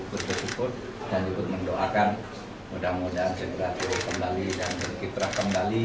berikut berikut dan juga mendoakan mudah mudahan jenderal itu kembali dan berkiprah kembali